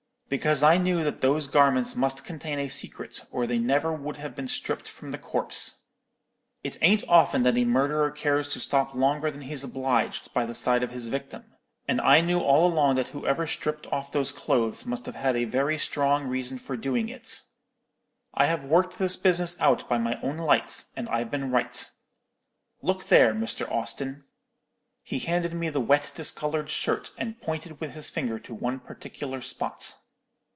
Because I knew that those garments must contain a secret, or they never would have been stripped from the corpse. It ain't often that a murderer cares to stop longer than he's obliged by the side of his victim; and I knew all along that whoever stripped off those clothes must have had a very strong reason for doing it. I have worked this business out by my own lights, and I've been right. Look there, Mr. Austin.' "He handed me the wet discoloured shirt, and pointed with his finger to one particular spot.